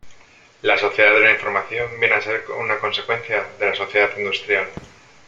La sociedad de la información viene a ser una consecuencia de la sociedad industrial.